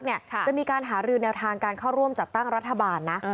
จะมีการหารือแนวทางการเข้าร่วมจัดตั้งรัฐบาลนะ